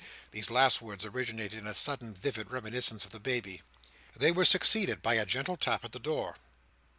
These last words originated in a sudden vivid reminiscence of the baby. They were succeeded by a gentle tap at the door.